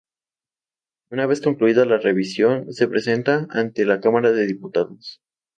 Una vez concluida la revisión, se presenta ante la Cámara de Diputados.